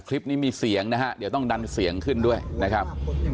คลิปนี้มีเสียงนะฮะเดี๋ยวต้องดันเสียงขึ้นด้วยนะครับ